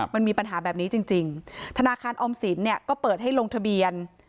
มันมีปัญหาแบบนี้จริงธนาคารออมสินเนี่ยก็เปิดให้ลงทะเบียน